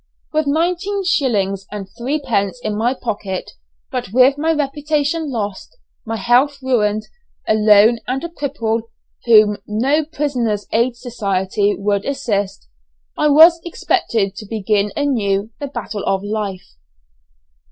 With nineteen shillings and threepence in my pocket, but with my reputation lost, my health ruined, alone and a cripple, whom no "Prisoners' Aid Society" would assist, I was expected to begin anew the battle of life!